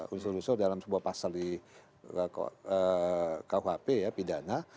unsur unsur dalam sebuah pasal di kuhp ya pidana